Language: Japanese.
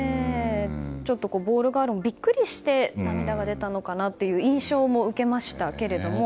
ボールガールもビックリして涙が出たのかなという印象も受けましたけれども。